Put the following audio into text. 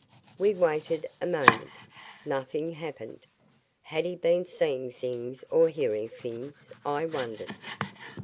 We waited a moment. Nothing happened. Had he been seeing things or hearing things, I wondered?